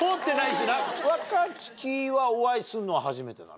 若槻はお会いするのは初めてなの？